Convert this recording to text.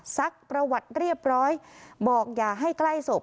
ซักประวัติเรียบร้อยบอกอย่าให้ใกล้ศพ